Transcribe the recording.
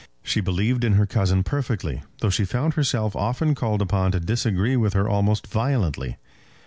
She believed in her cousin perfectly, though she found herself often called upon to disagree with her almost violently.